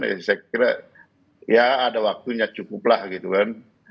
saya kira ya ada waktunya cukup lah gitu kan